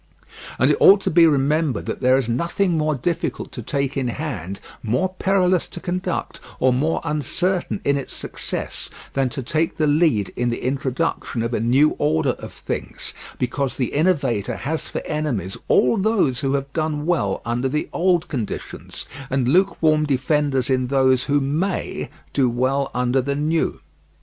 And it ought to be remembered that there is nothing more difficult to take in hand, more perilous to conduct, or more uncertain in its success, than to take the lead in the introduction of a new order of things, because the innovator has for enemies all those who have done well under the old conditions, and lukewarm defenders in those who may do well under the new.